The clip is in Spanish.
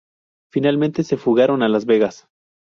Finalmente se fugaron a Las Vegas.